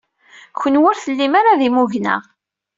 Kenwi ur tellim ara d imugna.